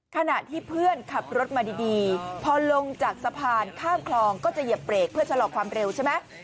ขณะที่เพื่อนขับรถมาดีพอลงจากสะพานข้ามคลองก็จะเหยียบเบรกเพื่อชะลอความเร็วใช่ไหม